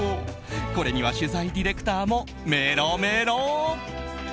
これには取材ディレクターもメロメロ！